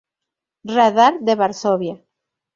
Radar de Varsovia!